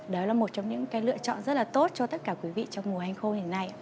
đó là một trong những lựa chọn rất là tốt cho tất cả quý vị trong mùa hành khô hiện nay